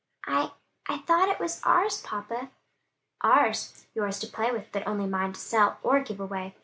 "I I thought it was ours, papa." "Ours? Yours to play with, but only mine to sell or give away.